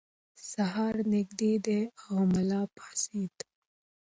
سهار نږدې دی او ملا پاڅېد.